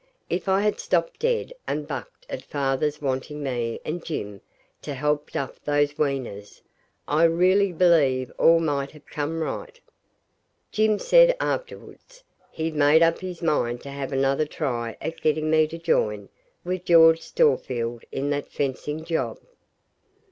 If I had stopped dead and bucked at father's wanting me and Jim to help duff those weaners, I really believe all might have come right. Jim said afterwards he'd made up his mind to have another try at getting me to join with George Storefield in that fencing job.